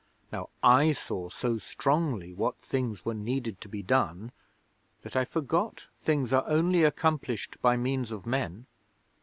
Now I saw so strongly what things were needed to be done, that I forgot things are only accomplished by means of men.